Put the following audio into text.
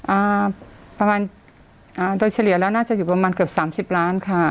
อ่าประมาณอ่าโดยเฉลี่ยแล้วน่าจะอยู่ประมาณเกือบสามสิบล้านค่ะ